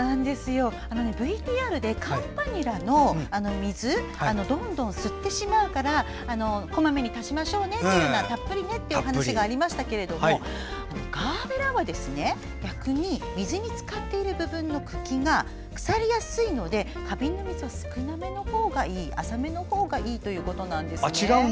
ＶＴＲでカンパニュラの水どんどん吸ってしまうからこまめに足しましょうねたっぷりねというお話がありましたけどガーベラは逆に水につかっている部分の茎が腐りやすいので花瓶の水は少なめのほうがいい浅めのほうがいいということなんですね。